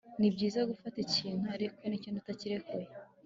ni byiza gufata ikintu ariko n'ikindi utakirekuye